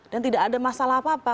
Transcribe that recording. dan tidak ada masalah apa apa